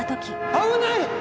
危ない！